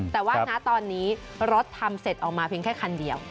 แต่ว่าณตอนนี้รถทำเสร็จออกมาเพียงแค่คันเดียว